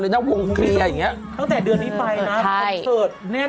ตั้งแต่เดือนนี้ไปแน่น๘๒